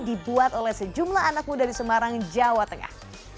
dibuat oleh sejumlah anak muda di semarang jawa tengah